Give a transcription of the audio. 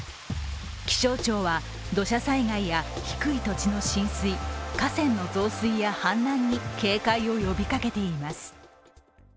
気象庁は土砂災害や低い土地の浸水河川の増水や氾濫に警戒を呼びかけています。